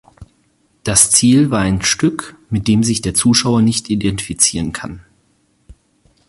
Das Ziel war ein Stück, mit dem sich der Zuschauer nicht identifizieren kann.